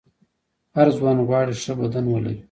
هر ځوان غواړي ښه بدن ولري.